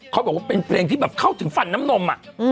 เขาบอกว่าเป็นเพลงที่แบบเข้าถึงฟันน้ำนม